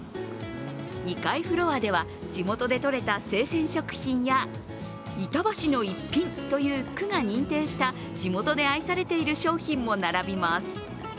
２階フロアでは地元でとれた生鮮食品や板橋のいっぴんという区が認定した地元で愛されている商品も並びます。